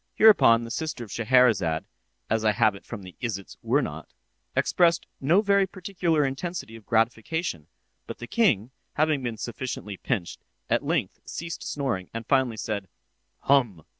Hereupon the sister of Scheherazade, as I have it from the "Isitsöornot," expressed no very particular intensity of gratification; but the king, having been sufficiently pinched, at length ceased snoring, and finally said, "Hum!"